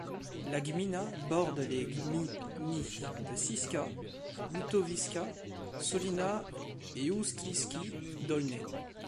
La gmina borde les gminy de Cisna, Lutowiska, Solina et Ustrzyki Dolne.